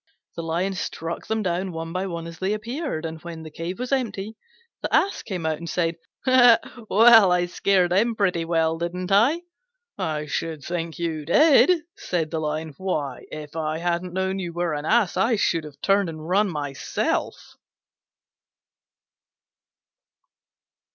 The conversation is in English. The Lion struck them down one by one as they appeared; and when the cave was empty the Ass came out and said, "Well, I scared them pretty well, didn't I?" "I should think you did," said the Lion: "why, if I hadn't known you were an Ass, I should have turned and run myself."